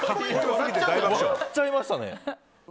笑っちゃいましたね。